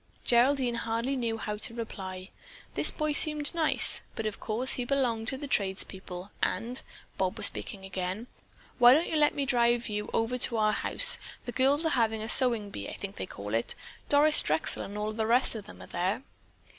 Geraldine hardly knew how to reply. This boy seemed nice, but of course he belonged to the trades people, and—Bob was again speaking: "Why don't you let me drive you over to our house? The girls are having a sewing bee, I think they call it. Doris Drexel and all the rest of them are there."